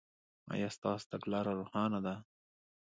ایا ستاسو تګلاره روښانه ده؟